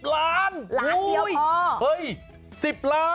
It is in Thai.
ล้านเดียวพอเฮ้ย๑๐ล้าน